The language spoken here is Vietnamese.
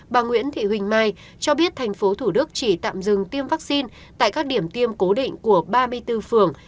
bà nguyễn thị huỳnh mai cho biết tp thủ đức chỉ tạm dừng tiêm vaccine tại các điểm tiêm cố định của ba mươi bốn phường